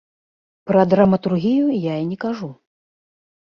Пра драматургію я і не кажу.